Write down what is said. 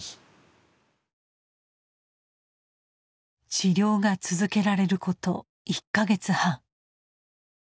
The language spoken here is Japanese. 治療が続けられること１か月半。